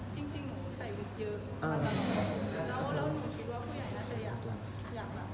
จริงหนูใส่วุฒิเยอะแล้วหนูคิดว่าผู้ใหญ่น่าจะอยากช่วยหนูด้วย